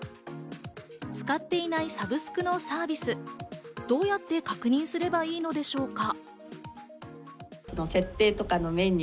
使っていないサブスクのサービス、どうやって確認すればいいのでしょうか？